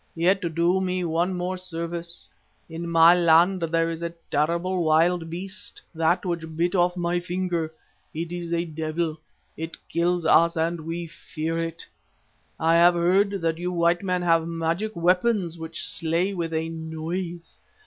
Yet, do me one more service. In my land there is a terrible wild beast, that which bit off my finger. It is a devil; it kills us and we fear it. I have heard that you white men have magic weapons which slay with a noise.